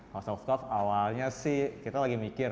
house of curve awalnya sih kita lagi mikir